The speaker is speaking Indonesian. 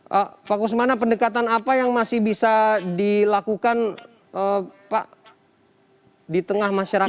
prof pak kusumana pendekatan apa yang masih bisa dilakukan di tengah masyarakat